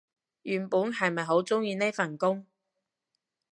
原本係咪好鍾意呢份工